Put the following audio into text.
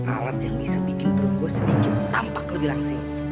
alat yang bisa bikin rumput sedikit tampak lebih langsing